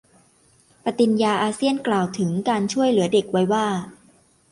ปฏิญญาอาเซียนกล่าวถึง การช่วยเหลือเด็กไว้ว่า